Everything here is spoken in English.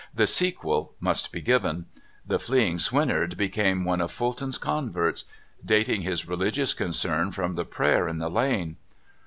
The sequel must be given. The fleeing swineherd became one of Fulton's converts, dating his religious concern from the pra3^er in the lane.